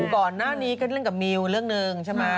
บูก่อนหน้านี้ก็เล่นกับมิวเรื่องนึงฉันหม้า